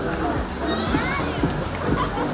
sepertinya saya mau mencoba wahana lain saja